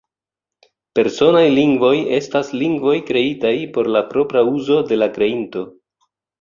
Personaj lingvoj estas lingvoj kreitaj por la propra uzo de la kreinto.